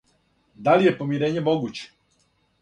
Да ли је помирење могуће?